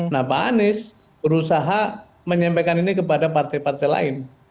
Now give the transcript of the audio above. nah pak anies berusaha menyampaikan ini kepada partai partai lain